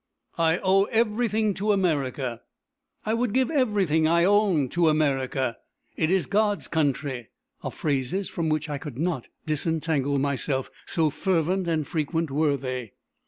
"I owe everything to America," "I would give everything I own to America," "It is God's country," are phrases from which I could not disentangle myself, so fervent and frequent were they.